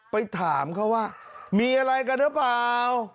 ไปถามเขาว่ามีอะไรกันหรือเปล่า